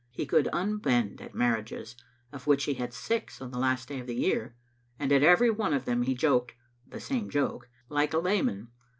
He could unbend at marriages, of which he had six on the last day of the year, and at every one of them he joked (the same joke) like a layman.